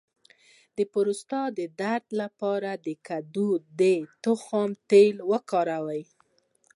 د پروستات د درد لپاره د کدو د تخم تېل وکاروئ